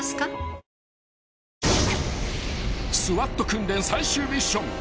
［ＳＷＡＴ訓練最終ミッション］